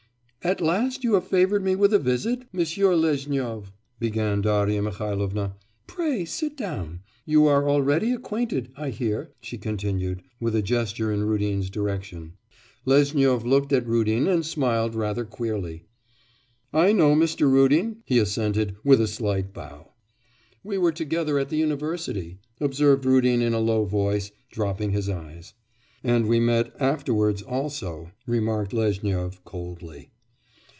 'At last you have favoured me with a visit, Monsieur Lezhnyov!' began Darya Mihailovna. 'Pray sit down. You are already acquainted, I hear,' she continued, with a gesture in Rudin's direction. Lezhnyov looked at Rudin and smiled rather queerly. 'I know Mr. Rudin,' he assented, with a slight bow. 'We were together at the university,' observed Rudin in a low voice, dropping his eyes. 'And we met afterwards also,' remarked Lezhnyov coldly.